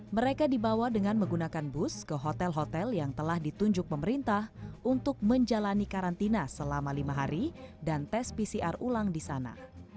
mereka dibawa dengan menggunakan bus ke hotel hotel yang telah ditunjuk pemerintah untuk menjalani karantina selama lima hari dan tes pcr ulang di sana